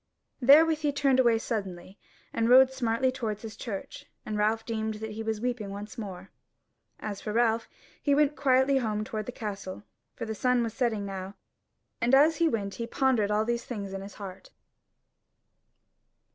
Therewith he turned away suddenly, and rode smartly towards his church; and Ralph deemed that he was weeping once more. As for Ralph, he went quietly home toward the castle, for the sun was setting now, and as he went he pondered all these things in his heart.